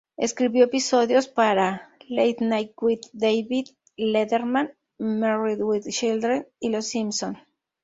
Escribió episodios para "Late Night with David Letterman", "Married with Children" y "Los Simpson".